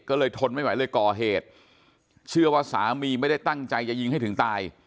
ก็เลยทนไม่ไหวเลยก่อเหตุเชื่อว่าสามีไม่ได้ตั้งใจจะยิงให้ถึงตาย